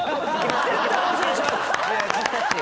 お願いします！